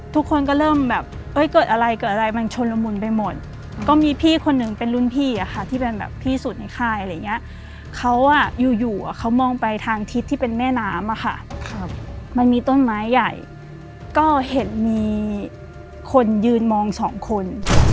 ทุกคนก็เริ่มแบบเอ้ยเกิดอะไรเกิดอะไรมันชนละมุนไปหมดก็มีพี่คนนึงเป็นรุ่นพี่อะค่ะที่เป็นแบบพี่สุดในค่ายอะไรอย่างเงี้ยเขาอ่ะอยู่อยู่เขามองไปทางทิศที่เป็นแม่น้ำอะค่ะมันมีต้นไม้ใหญ่ก็เห็นมีคนยืนมองสองคน